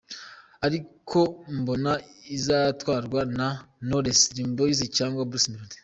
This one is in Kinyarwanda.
Ariko mbona izatwarwa na Knowles, Dream Boys cyangwa Bruce Melody.